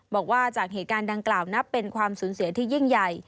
บอกว่าจากเหตุการณ์ดังกล่าวนับเป็นความสูญเสียที่ยิ่งใหญ่